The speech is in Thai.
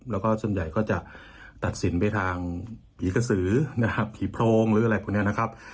แล้วก็ส่วนใหญ่ก็จะตัดสินไปทางหญิกษือหญิโพรงหรืออะไรพวกนี้นะครับ